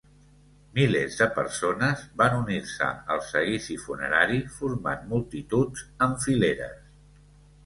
Milers de persones van unir-se al seguici funerari formant multituds en fileres.